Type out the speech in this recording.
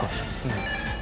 うん。